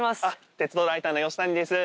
鉄道ライターの吉谷です。